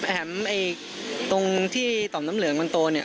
แถมไอ้ตรงที่ต่อมน้ำเหลืองมันโตเนี่ย